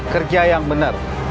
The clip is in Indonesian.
kerja yang benar